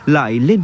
lại lên tàu